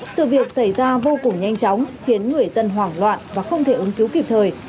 sự việc xảy ra vô cùng nhanh chóng khiến người dân hoảng loạn và không thể ứng cứu kịp thời